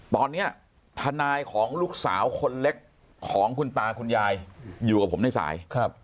ตอนนี้ทนายของลูกสาวคนเล็กของคุณตาคุณยายอยู่กับผมในสาย